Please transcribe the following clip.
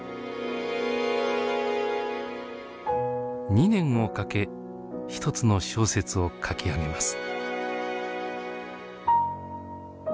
２年をかけ一つの小説を書き上げます。